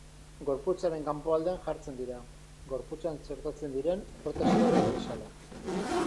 Gorputzaren kanpoaldean jartzen dira, gorputzean txertatzen diren protesiak ez bezala.